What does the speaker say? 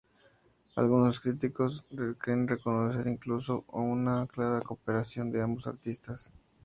Algunos críticos creen reconocer incluso una clara cooperación de ambos artistas.